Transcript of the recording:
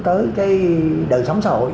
tới cái đời sống xã hội